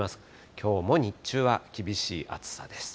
きょうも日中は厳しい暑さです。